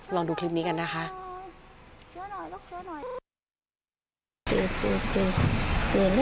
ลองไปดูบรรยากาศช่วงนั้นนะคะ